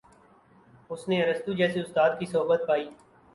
اس نے ارسطو جیسے استاد کی صحبت پائی